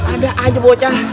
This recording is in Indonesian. ada aja bocah